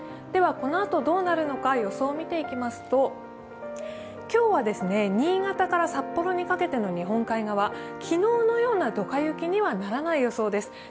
このあとどうなるのか、予想を見てみますと今日は新潟から札幌にかけての日本海側、昨日のようなどか雪にはならない予想です。